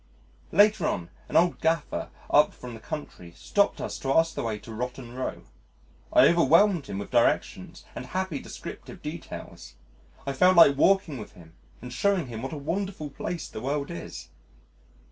Later on, an old gaffer up from the country stopped us to ask the way to Rotten Row I overwhelmed him with directions and happy descriptive details. I felt like walking with him and showing him what a wonderful place the world is.